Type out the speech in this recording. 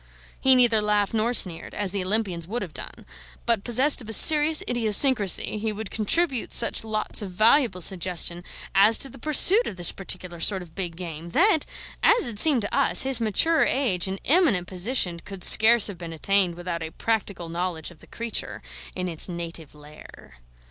He neither laughed nor sneered, as the Olympians would have done; but possessed of a serious idiosyncrasy, he would contribute such lots of valuable suggestion as to the pursuit of this particular sort of big game that, as it seemed to us, his mature age and eminent position could scarce have been attained without a practical knowledge of the creature in its native lair.